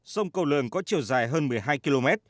sông cầu lường có chiều dài hơn một mươi hai km